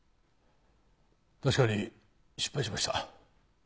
確かに失敗しました。